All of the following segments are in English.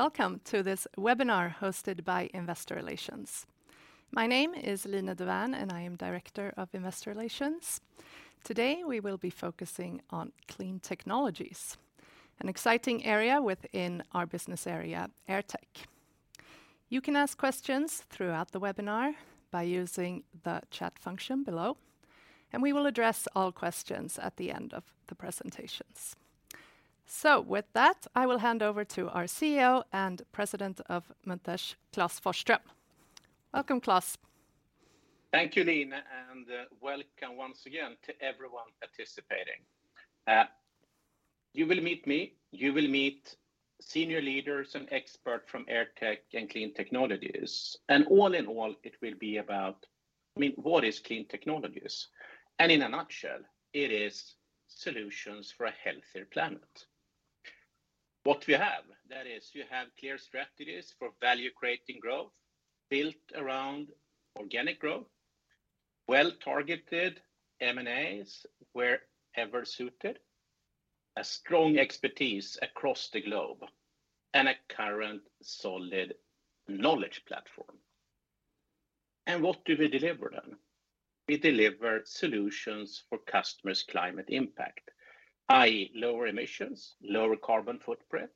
Welcome to this webinar hosted by Investor Relations. My name is Line Dovärn. I am Director of Investor Relations. Today, we will be focusing on Clean Technologies, an exciting area within our business area, AirTech. You can ask questions throughout the webinar by using the chat function below. We will address all questions at the end of the presentations. With that, I will hand over to our CEO and President of Munters, Klas Forsström. Welcome, Klas. Thank you, Line, welcome once again to everyone participating. You will meet me, you will meet senior leaders and expert from AirTech and Clean Technologies. All in all, it will be about, I mean, what is Clean Technologies? In a nutshell, it is solutions for a healthier planet. What we have, that is, you have clear strategies for value-creating growth, built around organic growth, well-targeted M&As wherever suited, a strong expertise across the globe, and a current solid knowledge platform. What do we deliver then? We deliver solutions for customers' climate impact, i.e., lower emissions, lower carbon footprint,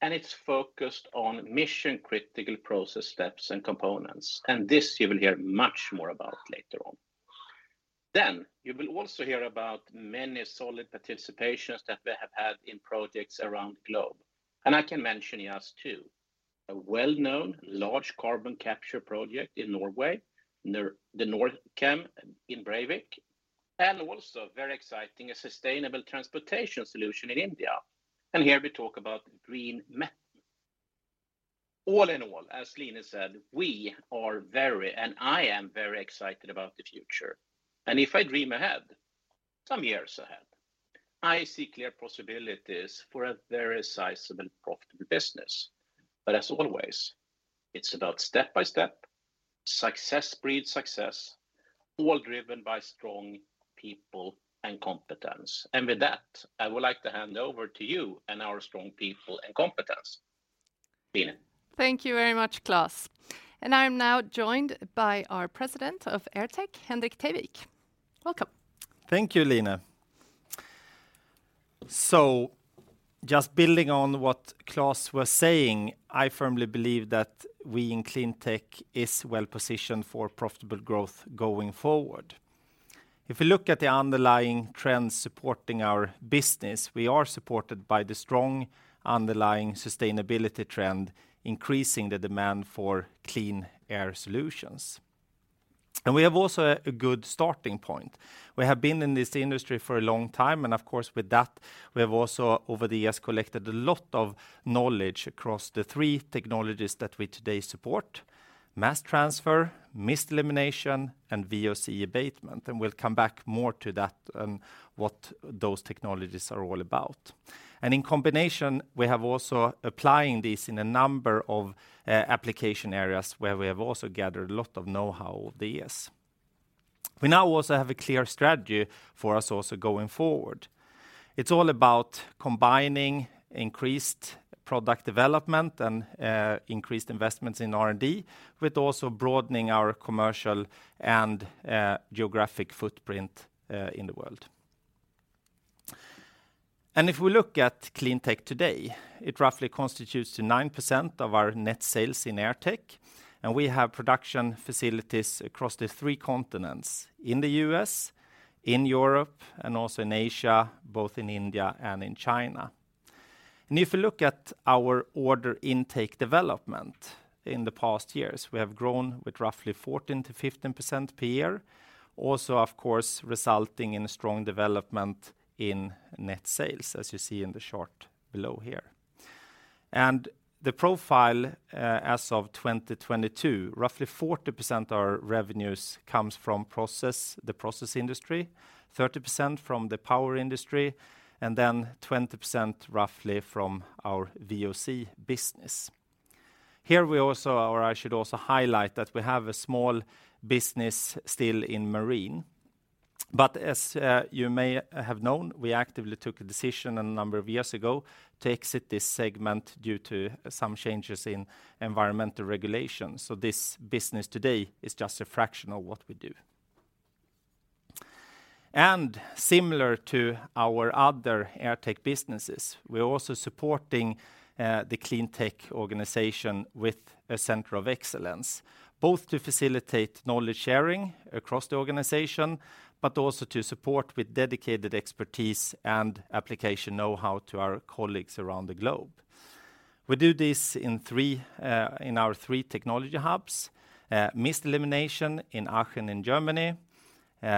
and it's focused on mission-critical process steps and components. This, you will hear much more about later on. You will also hear about many solid participations that we have had in projects around the globe. I can mention just two: a well-known large carbon capture project in Norway, near the Norcem in Brevik, and also very exciting, a sustainable transportation solution in India. Here we talk about green methane. All in all, as Line said, we are very, and I am very excited about the future. If I dream ahead, some years ahead, I see clear possibilities for a very sizable profitable business. As always, it's about step by step, success breeds success, all driven by strong people and competence. With that, I would like to hand over to you and our strong people and competence. Line. Thank you very much, Klas. I'm now joined by our President of AirTech, Henrik Teiwik. Welcome. Thank you, Line. Just building on what Klas was saying, I firmly believe that we in CleanTech is well positioned for profitable growth going forward. If you look at the underlying trends supporting our business, we are supported by the strong underlying sustainability trend, increasing the demand for clean air solutions. We have also a good starting point. We have been in this industry for a long time, and of course, with that, we have also, over the years, collected a lot of knowledge across the three technologies that we today support: mass transfer, mist elimination, and VOC abatement. We'll come back more to that and what those technologies are all about. In combination, we have also applying this in a number of application areas where we have also gathered a lot of know-how over the years. We now also have a clear strategy for us also going forward. It's all about combining increased product development and increased investments in R&D, with also broadening our commercial and geographic footprint in the world. If we look at Clean Technologies today, it roughly constitutes to 9% of our net sales in AirTech, and we have production facilities across the three continents: in the U.S., in Europe, and also in Asia, both in India and in China. If you look at our order intake development in the past years, we have grown with roughly 14%-15% per year. Also, of course, resulting in a strong development in net sales, as you see in the chart below here. The profile, as of 2022, roughly 40% of our revenues comes from process, the process industry, 30% from the power industry, and then 20%, roughly, from our VOC business. Here, we also, or I should also highlight that we have a small business still in marine, but as you may have known, we actively took a decision a number of years ago to exit this segment due to some changes in environmental regulations. This business today is just a fraction of what we do. Similar to our other AirTech businesses, we're also supporting the Clean Technologies organization with a center of excellence, both to facilitate knowledge sharing across the organization, but also to support with dedicated expertise and application know-how to our colleagues around the globe. We do this in three in our three technology hubs: mist elimination in Aachen, in Germany,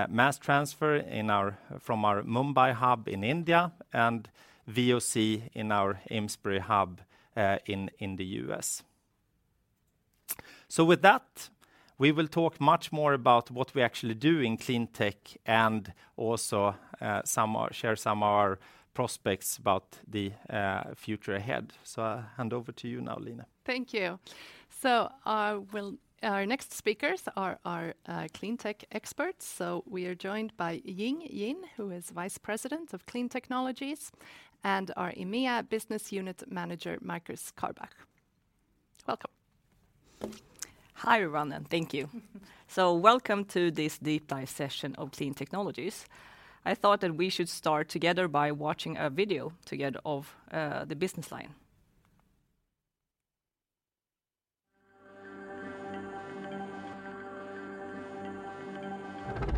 mass transfer in our, from our Mumbai hub in India, and VOC in our Amesbury hub in the U.S. With that, we will talk much more about what we actually do in CleanTech and also, share some of our prospects about the future ahead. I hand over to you now, Line. Thank you. Our well, our next speakers are our CleanTech experts. We are joined by Jing Jin, who is Vice President of Clean Technologies, and our EMEA Business Unit Manager, Markus Karbach. Welcome. Hi, everyone, and thank you. Welcome to this deep dive session of Clean Technologies. I thought that we should start together by watching a video together of the business line.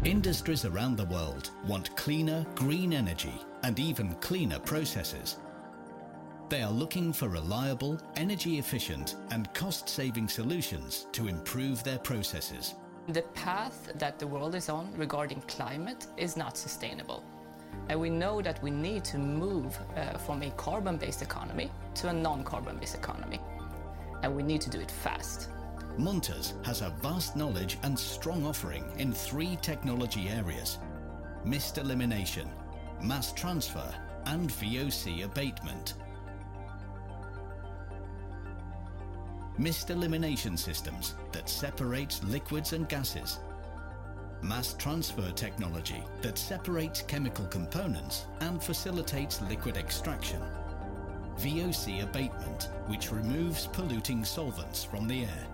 Industries around the world want cleaner, green energy and even cleaner processes. They are looking for reliable, energy-efficient, and cost-saving solutions to improve their processes. The path that the world is on regarding climate is not sustainable. We know that we need to move from a carbon-based economy to a non-carbon-based economy. We need to do it fast. Munters has a vast knowledge and strong offering in three technology areas: mist elimination, mass transfer, and VOC abatement. Mist elimination systems that separates liquids and gases, mass transfer technology that separates chemical components and facilitates liquid extraction, VOC abatement, which removes polluting solvents from the air.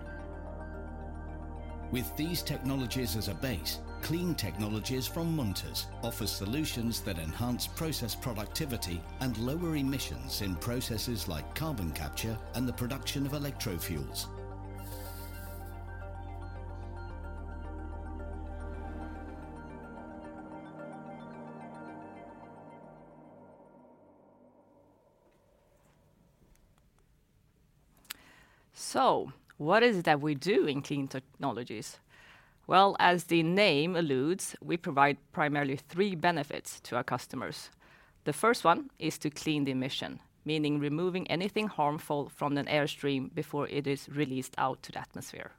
With these technologies as a base, Clean Technologies from Munters offer solutions that enhance process productivity and lower emissions in processes like carbon capture and the production of electro fuels. What is it that we do in Clean Technologies? Well, as the name alludes, we provide primarily three benefits to our customers. The first one is to clean the emission, meaning removing anything harmful from an airstream before it is released out to the atmosphere.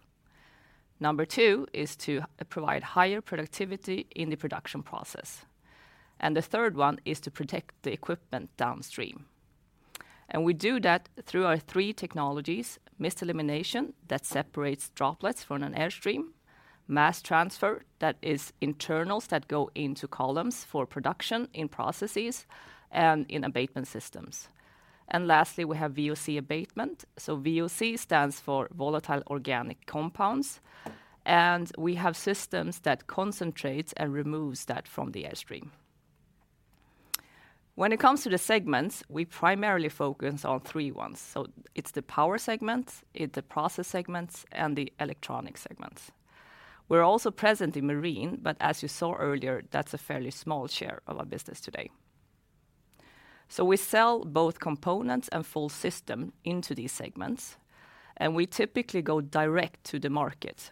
Number two is to provide higher productivity in the production process, and the third one is to protect the equipment downstream. We do that through our three technologies: mist elimination, that separates droplets from an airstream; mass transfer, that is internals that go into columns for production in processes and in abatement systems. Lastly, we have VOC abatement. VOC stands for Volatile Organic Compounds, and we have systems that concentrates and removes that from the airstream. When it comes to the segments, we primarily focus on three ones: it's the power segments, it's the process segments, and the electronic segments. We're also present in marine, but as you saw earlier, that's a fairly small share of our business today. We sell both components and full system into these segments, and we typically go direct to the market.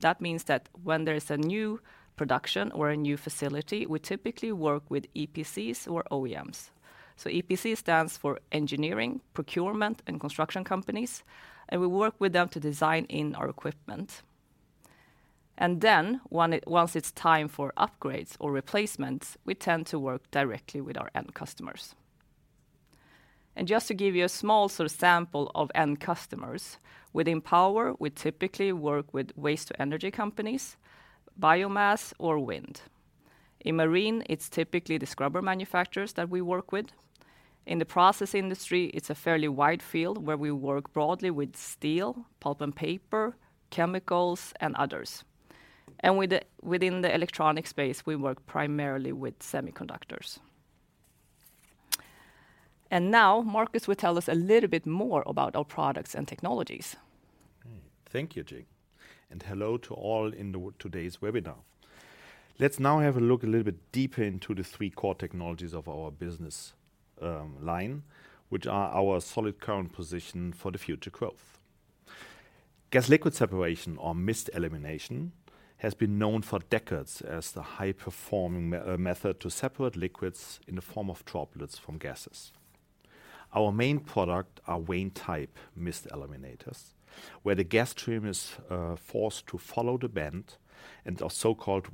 That means that when there is a new production or a new facility, we typically work with EPCs or OEMs. EPC stands for engineering, procurement, and construction companies, and we work with them to design in our equipment. Then, once it's time for upgrades or replacements, we tend to work directly with our end customers. Just to give you a small sort of sample of end customers, within power, we typically work with waste to energy companies, biomass or wind. In marine, it's typically the scrubber manufacturers that we work with. In the process industry, it's a fairly wide field where we work broadly with steel, pulp and paper, chemicals, and others. Within the electronic space, we work primarily with semiconductors. Now, Markus will tell us a little bit more about our products and technologies. Thank you, Jing, and hello to all in today's webinar. Let's now have a look a little bit deeper into the three core technologies of our business line, which are our solid current position for the future growth. Gas-liquid separation or mist elimination has been known for decades as the high-performing method to separate liquids in the form of droplets from gases. Our main product are vane-type mist eliminators, where the gas stream is forced to follow the bend and are so-called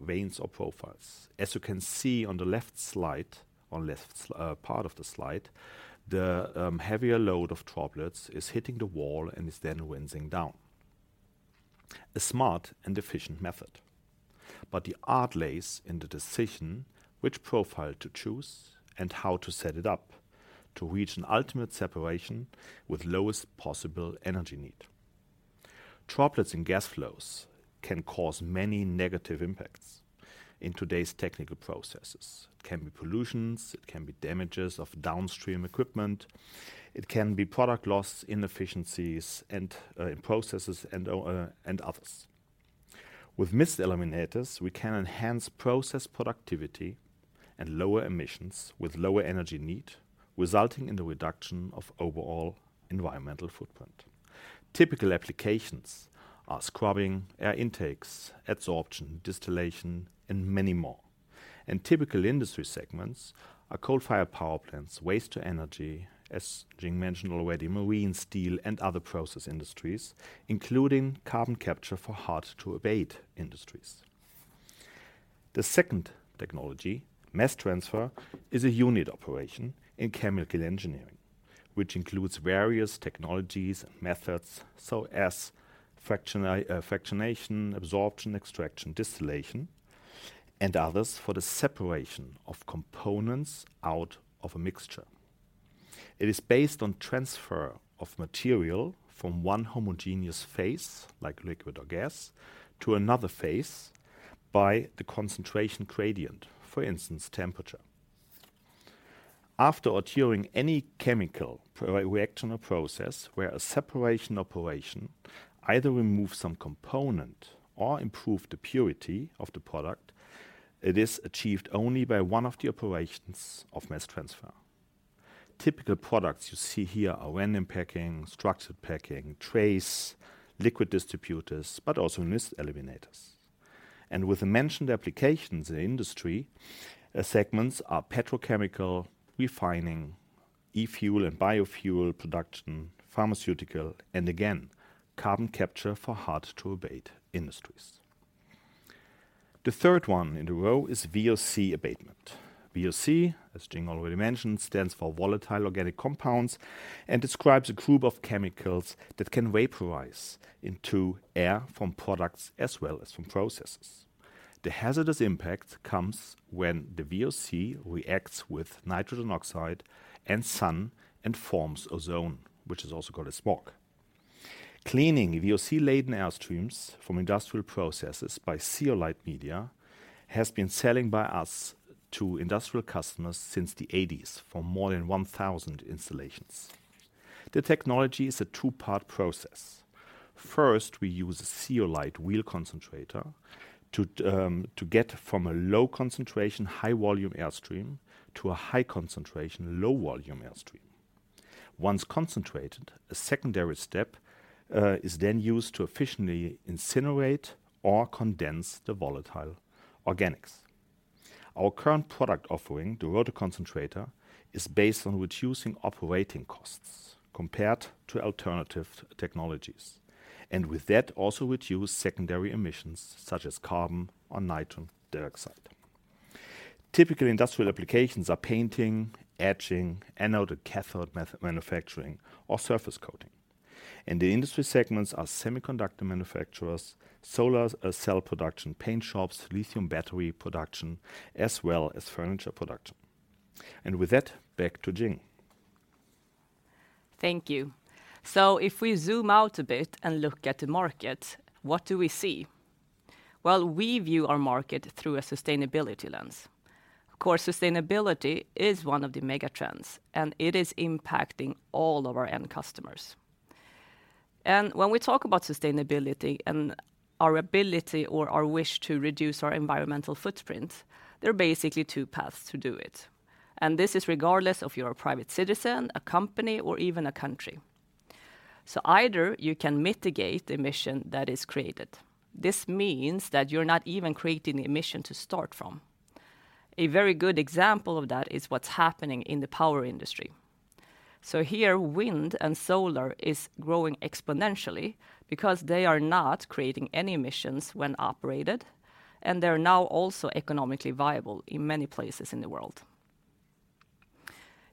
vanes or profiles. As you can see on the left part of the slide, the heavier load of droplets is hitting the wall and is then rinsing down. A smart and efficient method. The art lies in the decision which profile to choose and how to set it up to reach an ultimate separation with lowest possible energy need. Droplets and gas flows can cause many negative impacts in today's technical processes. It can be pollution, it can be damage to downstream equipment, it can be product loss, inefficiencies in processes and others. With mist eliminators, we can enhance process productivity and lower emissions with lower energy need, resulting in the reduction of overall environmental footprint. Typical applications are scrubbing air intakes, adsorption, distillation, and many more. Typical industry segments are coal-fired power plants, waste-to-energy, as Jing mentioned already, marine, steel, and other process industries, including carbon capture for hard-to-abate industries. The second technology, mass transfer, is a unit operation in chemical engineering, which includes various technologies and methods so as fractionation, absorption, extraction, distillation, and others for the separation of components out of a mixture. It is based on transfer of material from one homogeneous phase, like liquid or gas, to another phase by the concentration gradient, for instance, temperature. After or during any chemical reaction or process, where a separation operation either remove some component or improve the purity of the product, it is achieved only by one of the operations of mass transfer. Typical products you see here are random packing, structured packing, trays, liquid distributors, but also mist eliminators. With the mentioned applications in industry, segments are petrochemical, refining, e-fuel and biofuel production, pharmaceutical, and again, carbon capture for hard-to-abate industries. The third one in the row is VOC abatement. VOC, as Jing already mentioned, stands for Volatile Organic Compounds and describes a group of chemicals that can vaporize into air from products as well as from processes. The hazardous impact comes when the VOC reacts with nitrogen oxide and sun and forms ozone, which is also called as smog. Cleaning VOC-laden airstreams from industrial processes by zeolite media has been selling by us to industrial customers since the 80s, for more than 1,000 installations. The technology is a two-part process. First, we use a zeolite wheel concentrator to get from a low-concentration, high-volume airstream to a high-concentration, low-volume airstream. Once concentrated, a secondary step is then used to efficiently incinerate or condense the volatile organics. Our current product offering, the Rotor Concentrator, is based on reducing operating costs compared to alternative technologies, and with that also reduce secondary emissions such as carbon or nitrogen dioxide. Typical industrial applications are painting, etching, anode and cathode manufacturing, or surface coating. The industry segments are semiconductor manufacturers, solar, cell production, paint shops, lithium battery production, as well as furniture production. With that, back to Jing. Thank you. If we zoom out a bit and look at the market, what do we see? We view our market through a sustainability lens. Of course, sustainability is one of the mega trends, and it is impacting all of our end customers. When we talk about sustainability and our ability or our wish to reduce our environmental footprint, there are basically two paths to do it, and this is regardless if you're a private citizen, a company, or even a country. Either you can mitigate the emission that is created. This means that you're not even creating the emission to start from. A very good example of that is what's happening in the power industry. Here, wind and solar is growing exponentially because they are not creating any emissions when operated, and they're now also economically viable in many places in the world.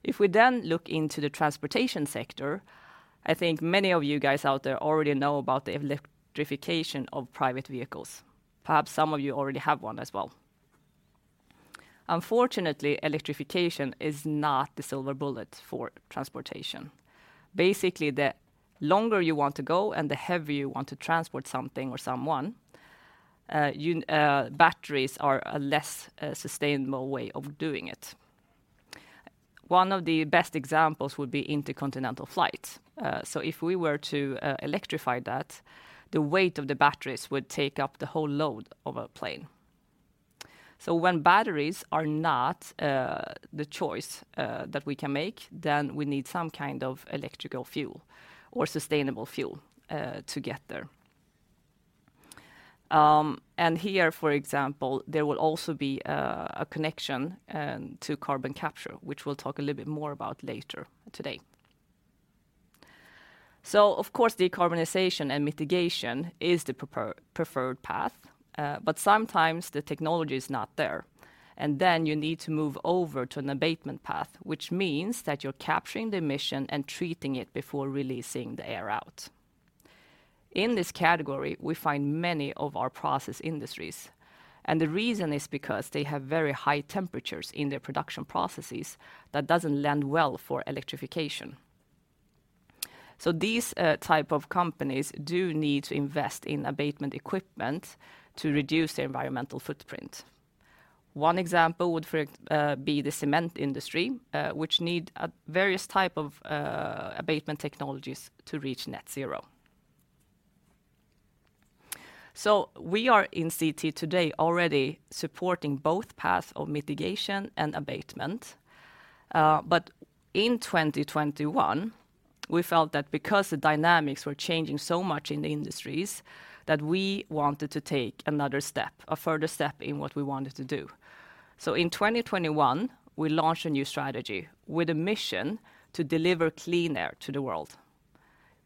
If we look into the transportation sector, I think many of you guys out there already know about the electrification of private vehicles. Perhaps some of you already have one as well. Unfortunately, electrification is not the silver bullet for transportation. Basically, the longer you want to go and the heavier you want to transport something or someone, batteries are a less sustainable way of doing it. One of the best examples would be intercontinental flights. If we were to electrify that, the weight of the batteries would take up the whole load of a plane. When batteries are not the choice that we can make, then we need some kind of electrical fuel or sustainable fuel to get there. Here, for example, there will also be a connection to carbon capture, which we'll talk a little bit more about later today. Of course, decarbonization and mitigation is the preferred path, but sometimes the technology is not there, and then you need to move over to an abatement path, which means that you're capturing the emission and treating it before releasing the air out. In this category, we find many of our process industries, and the reason is because they have very high temperatures in their production processes that doesn't lend well for electrification. These type of companies do need to invest in abatement equipment to reduce their environmental footprint. One example would be the cement industry, which need various type of abatement technologies to reach net zero. We are in CT today already supporting both paths of mitigation and abatement. In 2021, we felt that because the dynamics were changing so much in the industries, that we wanted to take another step, a further step in what we wanted to do. In 2021, we launched a new strategy with a mission to deliver clean air to the world.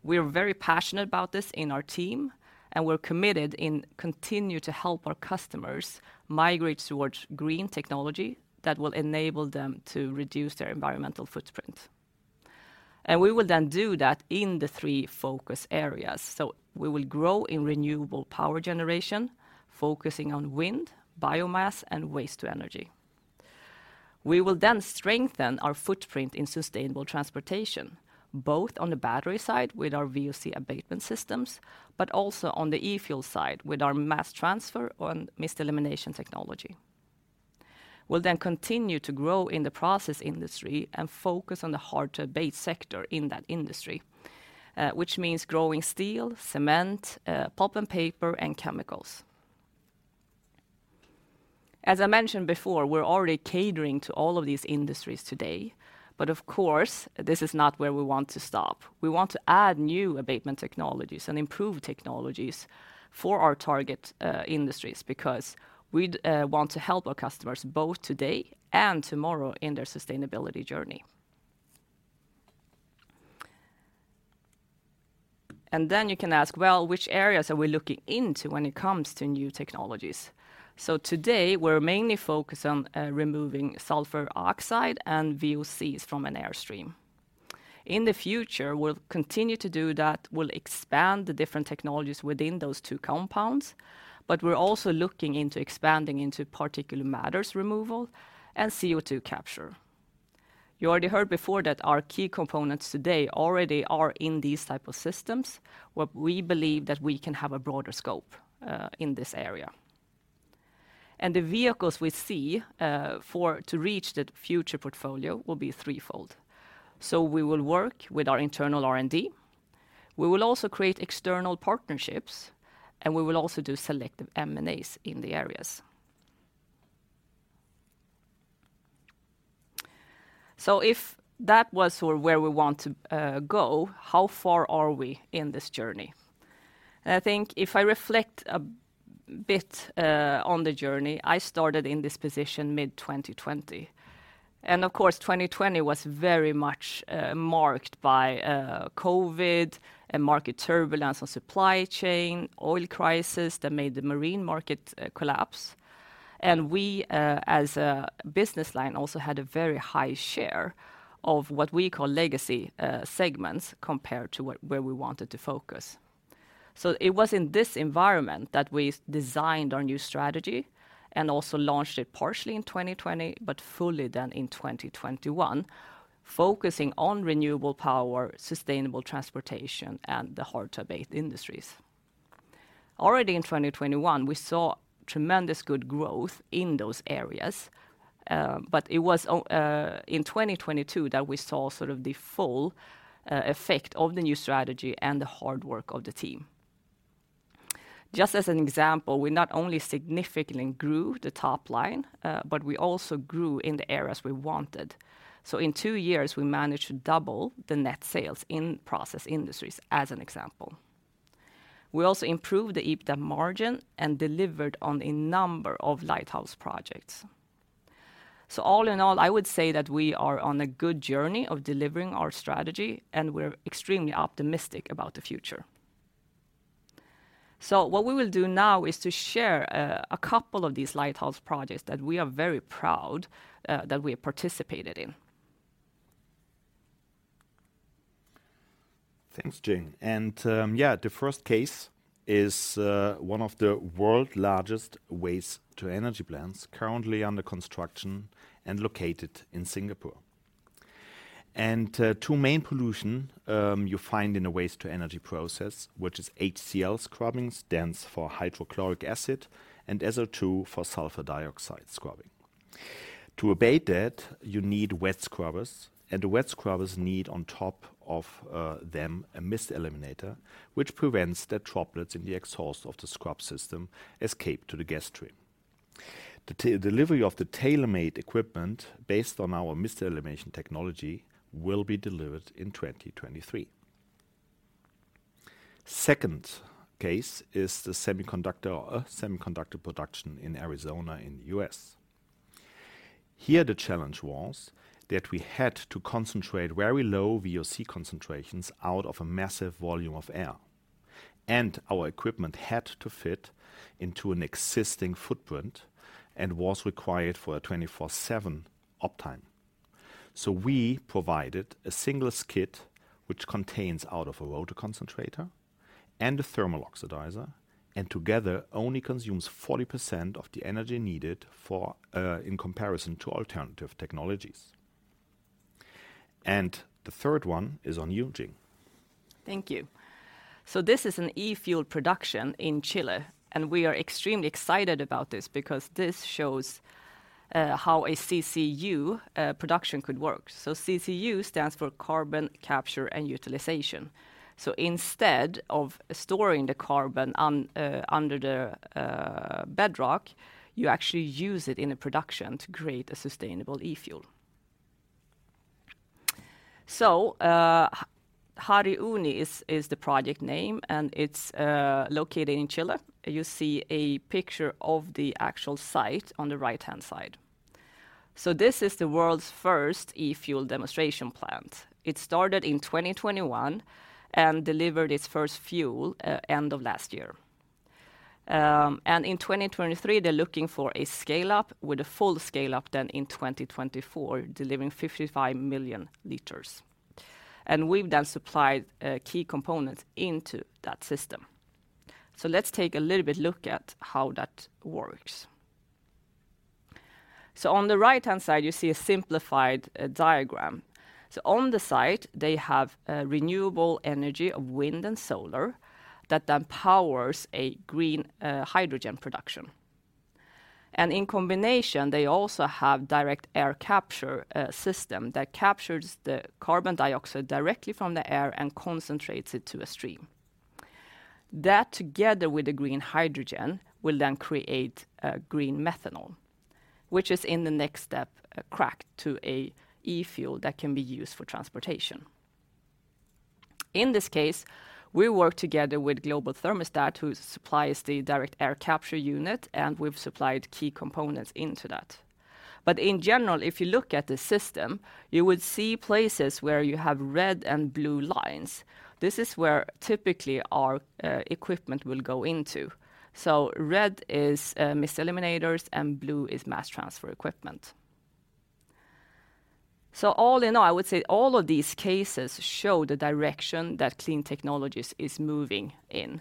We're very passionate about this in our team, and we're committed in continue to help our customers migrate towards green technology that will enable them to reduce their environmental footprint. We will then do that in the three focus areas. We will grow in renewable power generation, focusing on wind, biomass, and waste to energy. We will then strengthen our footprint in sustainable transportation, both on the battery side with our VOC abatement systems, but also on the e-fuel side with our mass transfer on mist elimination technology. We'll continue to grow in the process industry and focus on the hard to abate sector in that industry, which means growing steel, cement, pulp and paper, and chemicals. As I mentioned before, we're already catering to all of these industries today, but of course, this is not where we want to stop. We want to add new abatement technologies and improve technologies for our target industries, because we'd want to help our customers both today and tomorrow in their sustainability journey. You can ask: Well, which areas are we looking into when it comes to new technologies? Today, we're mainly focused on removing sulfur oxides and VOCs from an airstream. In the future, we'll continue to do that. We'll expand the different technologies within those two compounds, but we're also looking into expanding into particulate matter removal and CO2 capture. You already heard before that our key components today already are in these type of systems, where we believe that we can have a broader scope in this area. The vehicles we see to reach the future portfolio will be threefold. We will work with our internal R&D. We will also create external partnerships, and we will also do selective M&As in the areas. If that was or where we want to go, how far are we in this journey? I think if I reflect a bit on the journey, I started in this position mid-2020. Of course, 2020 was very much marked by COVID and market turbulence on supply chain, oil crisis that made the marine market collapse. We, as a business line, also had a very high share of what we call legacy segments, compared to where we wanted to focus. It was in this environment that we designed our new strategy and also launched it partially in 2020, but fully then in 2021, focusing on renewable power, sustainable transportation, and the hard-to-abate industries. Already in 2021, we saw tremendous good growth in those areas, but it was in 2022 that we saw sort of the full effect of the new strategy and the hard work of the team. Just as an example, we not only significantly grew the top line, but we also grew in the areas we wanted. In 2 years, we managed to double the net sales in process industries as an example. We also improved the EBITDA margin and delivered on a number of lighthouse projects. All in all, I would say that we are on a good journey of delivering our strategy, and we're extremely optimistic about the future. What we will do now is to share a couple of these lighthouse projects that we are very proud that we have participated in. Thanks, Jing. The first case is one of the world largest waste-to-energy plants currently under construction and located in Singapore. Two main pollution you find in a waste-to-energy process, which is HCl scrubbing, stands for hydrochloric acid, and SO2 for sulfur dioxide scrubbing. To abate that, you need wet scrubbers, and the wet scrubbers need on top of them, a mist eliminator, which prevents the droplets in the exhaust of the scrub system escape to the gas stream. The delivery of the tailor-made equipment, based on our mist elimination technology, will be delivered in 2023. Second case is the semiconductor or a semiconductor production in Arizona, in the U.S. Here, the challenge was that we had to concentrate very low VOC concentrations out of a massive volume of air, and our equipment had to fit into an existing footprint and was required for a 24/7 uptime. We provided a single skid, which contains out of a rotor concentrator and a thermal oxidizer, and together only consumes 40% of the energy needed for, in comparison to alternative technologies. The third one is on you, Jing. Thank you. This is an e-fuel production in Chile, and we are extremely excited about this because this shows how a CCU production could work. CCU stands for carbon capture and utilization. Instead of storing the carbon on under the bedrock, you actually use it in a production to create a sustainable e-fuel. Haru Oni is the project name, and it's located in Chile. You see a picture of the actual site on the right-hand side. This is the world's first e-fuel demonstration plant. It started in 2021 and delivered its first fuel end of last year. In 2023, they're looking for a scale-up with a full scale-up than in 2024, delivering 55 million liters. We've then supplied key components into that system. Let's take a little bit look at how that works. On the right-hand side, you see a simplified diagram. On the side, they have a renewable energy of wind and solar that then powers a green hydrogen production. In combination, they also have direct air capture system that captures the carbon dioxide directly from the air and concentrates it to a stream. That, together with the green hydrogen, will then create green methanol, which is in the next step, a crack to a e-fuel that can be used for transportation. In this case, we work together with Global Thermostat, who supplies the direct air capture unit, and we've supplied key components into that. In general, if you look at the system, you would see places where you have red and blue lines. This is where typically our equipment will go into. Red is mist eliminators, and blue is mass transfer equipment. All in all, I would say all of these cases show the direction that Clean Technologies is moving in.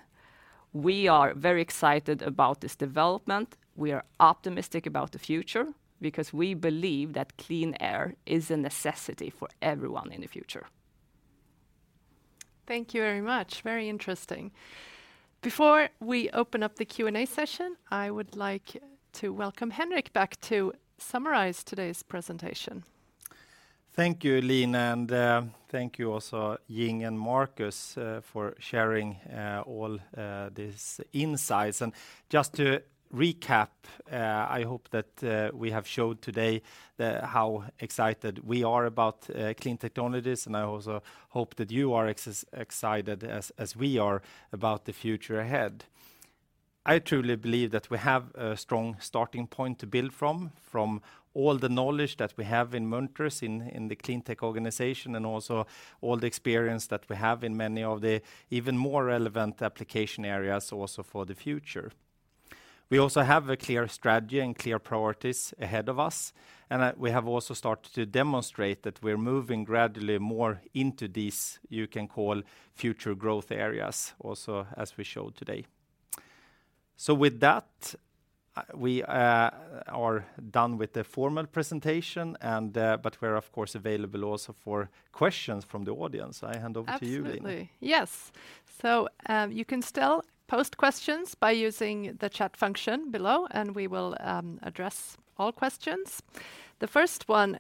We are very excited about this development. We are optimistic about the future because we believe that clean air is a necessity for everyone in the future. Thank you very much. Very interesting. Before we open up the Q&A session, I would like to welcome Henrik back to summarize today's presentation. Thank you, Line Dovärn, and thank you also, Jing Jin and Markus Karbach, for sharing all these insights. Just to recap, I hope that we have showed today how excited we are about Clean Technologies, and I also hope that you are excited as we are about the future ahead. I truly believe that we have a strong starting point to build from all the knowledge that we have in Munters, in the Clean Technologies organization, and also all the experience that we have in many of the even more relevant application areas also for the future. We also have a clear strategy and clear priorities ahead of us. We have also started to demonstrate that we're moving gradually more into these, you can call, future growth areas, also, as we showed today. With that, we are done with the formal presentation, and, but we're, of course, available also for questions from the audience. I hand over to you, Line. Absolutely. Yes. You can still post questions by using the chat function below, we will address all questions. The first one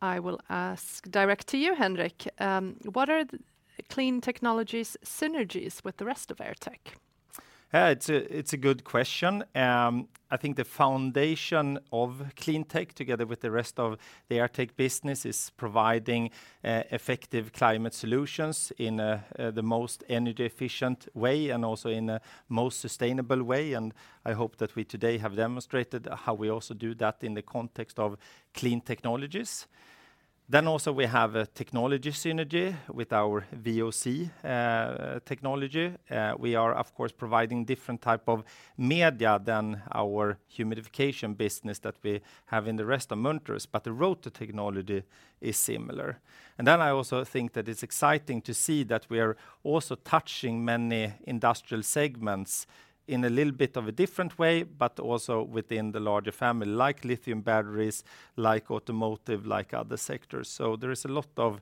I will ask direct to you, Henrik: What are the Clean Technologies' synergies with the rest of AirTech? It's a good question. I think the foundation of Clean Technologies, together with the rest of the AirTech business, is providing effective climate solutions in the most energy efficient way and also in the most sustainable way, and I hope that we today have demonstrated how we also do that in the context of Clean Technologies. Also, we have a technology synergy with our VOC technology. We are, of course, providing different type of media than our humidification business that we have in the rest of Munters, but the road to technology is similar. I also think that it's exciting to see that we are also touching many industrial segments in a little bit of a different way, but also within the larger family, like lithium batteries, like automotive, like other sectors. There is a lot of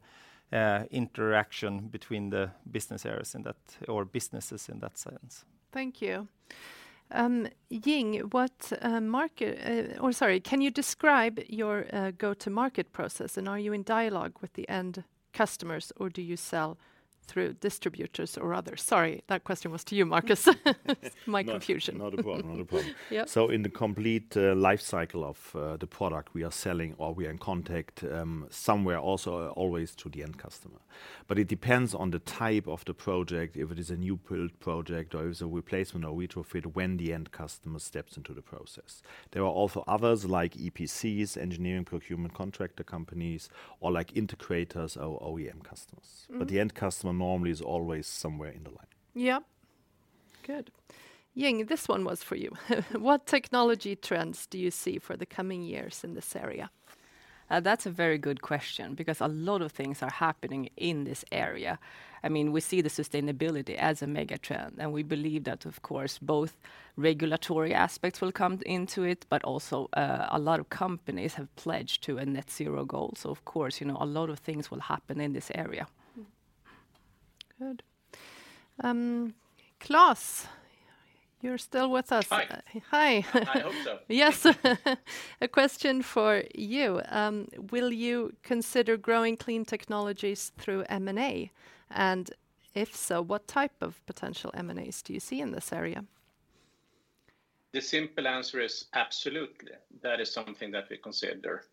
interaction between the business areas in that or businesses in that sense. Thank you. Jing, oh, sorry. Can you describe your go-to-market process, and are you in dialogue with the end customers, or do you sell through distributors or others? Sorry, that question was to you, Markus. My confusion. Not a problem, not a problem. Yep. In the complete life cycle of the product we are selling or we are in contact, somewhere also, always to the end customer. It depends on the type of the project, if it is a new build project or if it's a replacement or retrofit, when the end customer steps into the process. There are also others, like EPCs, engineering, procurement, contractor companies, or like integrators or OEM customers. Mm-hmm. The end customer normally is always somewhere in the line. Yep. Good. Jing, this one was for you. What technology trends do you see for the coming years in this area? That's a very good question because a lot of things are happening in this area. I mean, we see the sustainability as a mega trend, and we believe that, of course, both regulatory aspects will come into it, but also, a lot of companies have pledged to a net zero goal. Of course, you know, a lot of things will happen in this area. Good. Klas, you're still with us. Hi. Hi. I hope so. Yes. A question for you. Will you consider growing Clean Technologies through M&A, and if so, what type of potential M&As do you see in this area? The simple answer is absolutely. That is something that we consider.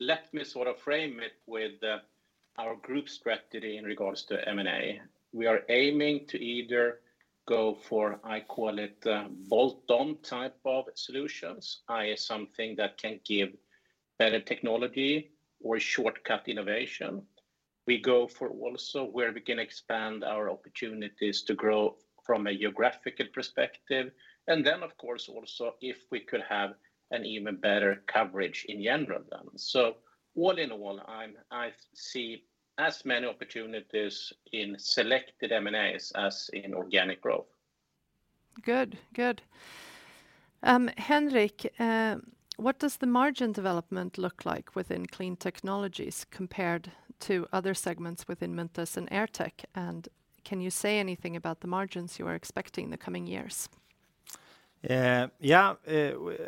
Let me sort of frame it with our group strategy in regards to M&A. We are aiming to either go for, I call it, the bolt-on type of solutions, i.e., something that can give better technology or shortcut innovation. We go for also where we can expand our opportunities to grow from a geographical perspective, and then, of course, also if we could have an even better coverage in general then. All in all, I see as many opportunities in selected M&As as in organic growth. Good. Good. Henrik, what does the margin development look like within Clean Technologies compared to other segments within Munters and AirTech? Can you say anything about the margins you are expecting in the coming years? Yeah.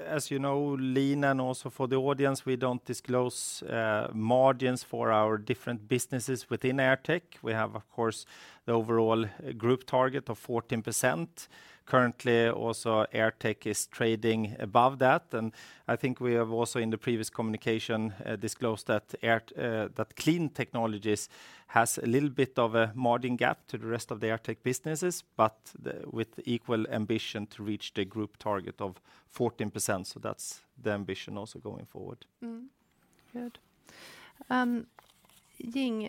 As you know, Line, and also for the audience, we don't disclose margins for our different businesses within AirTech. We have, of course, the overall group target of 14%. Currently, also, AirTech is trading above that, and I think we have also, in the previous communication, disclosed that Clean Technologies has a little bit of a margin gap to the rest of the AirTech businesses, but with equal ambition to reach the group target of 14%. That's the ambition also going forward. Good. Jing,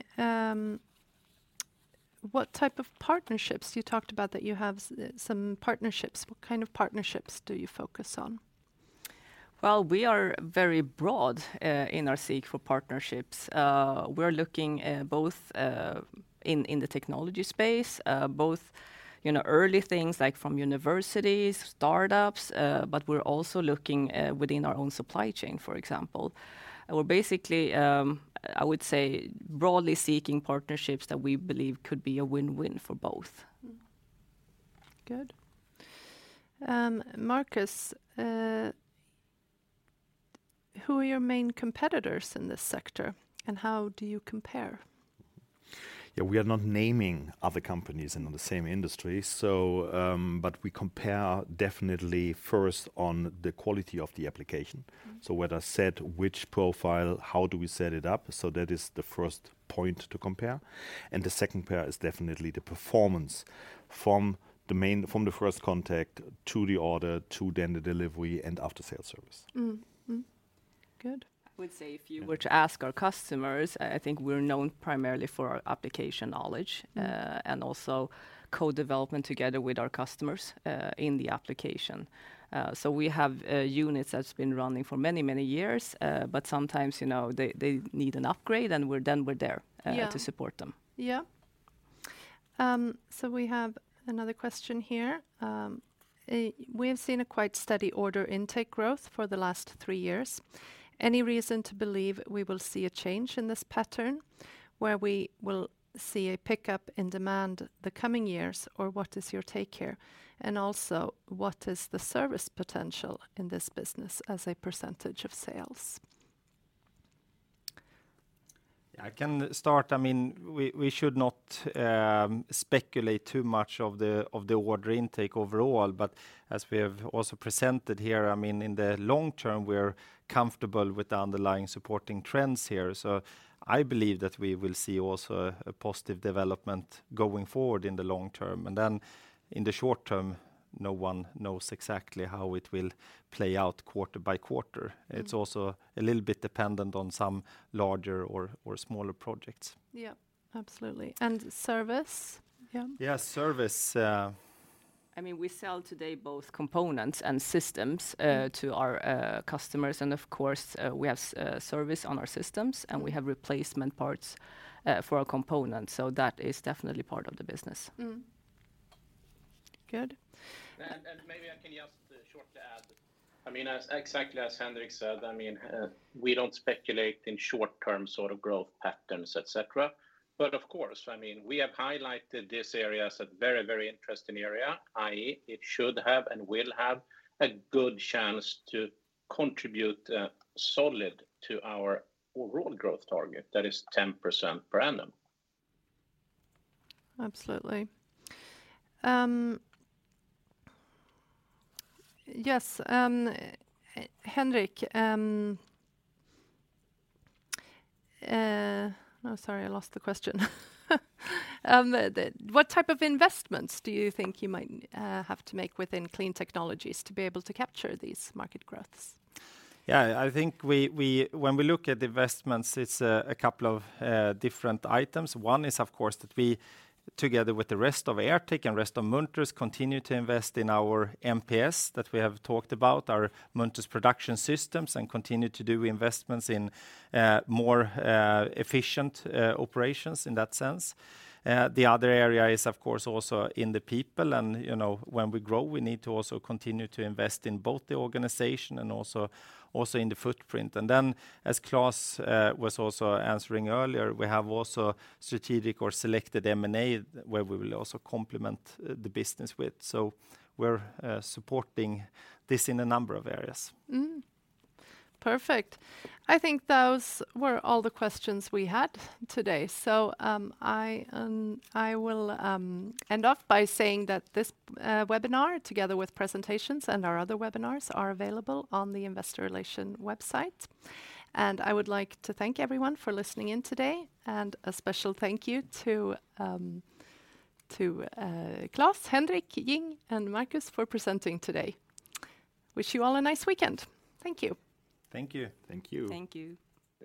what type of partnerships, you talked about that you have some partnerships, what kind of partnerships do you focus on? Well, we are very broad in our seek for partnerships. We're looking both in the technology space, both, you know, early things like from universities, startups, but we're also looking within our own supply chain, for example. We're basically, I would say, broadly seeking partnerships that we believe could be a win-win for both. Good. Markus, who are your main competitors in this sector, and how do you compare? Yeah, we are not naming other companies in the same industry, but we compare definitely first on the quality of the application. Mm-hmm. Whether set which profile, how do we set it up, so that is the first point to compare, and the second pair is definitely the performance from the first contact to the order to then the delivery and after-sale service. Mm-hmm. Mm-hmm. Good. I would say if you were to ask our customers, I think we're known primarily for our application knowledge. Mm-hmm Also co-development together with our customers in the application. We have units that's been running for many, many years. Sometimes, you know, they need an upgrade, and we're there. Yeah... to support them. Yeah. We have another question here. "We have seen a quite steady order intake growth for the last 3 years. Any reason to believe we will see a change in this pattern, where we will see a pickup in demand the coming years, or what is your take here? Also, what is the service potential in this business as a % of sales? I can start. I mean, we should not speculate too much of the order intake overall. As we have also presented here, I mean, in the long term, we're comfortable with the underlying supporting trends here. I believe that we will see also a positive development going forward in the long term. In the short term, no one knows exactly how it will play out quarter by quarter. Mm-hmm. It's also a little bit dependent on some larger or smaller projects. Yeah, absolutely. Service? Yeah. Yeah, service. I mean, we sell today both components and systems. Mm... to our customers. Of course, we have service on our systems, and we have replacement parts for our components. That is definitely part of the business. Good. Maybe I can just shortly add. I mean, as exactly as Henrik said, I mean, we don't speculate in short-term sort of growth patterns, et cetera. Of course, I mean, we have highlighted this area as a very interesting area, i.e., it should have and will have a good chance to contribute solid to our overall growth target that is 10% per annum. Absolutely. Yes, Henrik, Oh, sorry, I lost the question. The what type of investments do you think you might have to make within Clean Technologies to be able to capture these market growths? I think we, when we look at investments, it's a couple of different items. One is, of course, that we, together with the rest of AirTech and rest of Munters, continue to invest in our MPS that we have talked about, our Munters Production Systems, and continue to do investments in more efficient operations in that sense. The other area is, of course, also in the people, and, you know, when we grow, we need to also continue to invest in both the organization and also in the footprint. Then, as Klas was also answering earlier, we have also strategic or selected M&A, where we will also complement the business with. We're supporting this in a number of areas. Perfect. I think those were all the questions we had today. I will end off by saying that this webinar, together with presentations and our other webinars, are available on the investor relations website. I would like to thank everyone for listening in today, and a special thank you to Klas Forsström, Henrik Teiwik, Jing Jin, and Markus Karbach for presenting today. Wish you all a nice weekend. Thank you. Thank you. Thank you. Thank you.